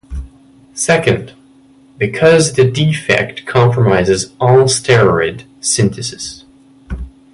Second, because the defect compromises all steroid synthesis.